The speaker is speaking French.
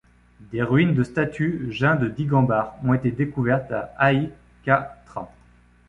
Des ruines de statues 'Jain de Digambar' ont été découvertes à Ahicchatra.